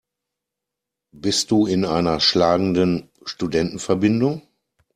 Bist du in einer schlagenden Studentenverbindung?